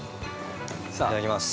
いただきます。